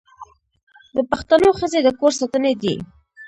د پښتنو ښځې د کور ستنې دي.